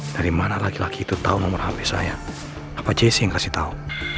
dari mana lagi lagi itu tau nomor hp saya apa jessie yang kasih tau